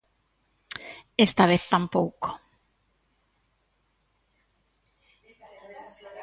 Esta vez tampouco.